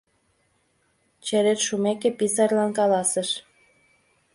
Черет шумеке, писарьлан каласыш.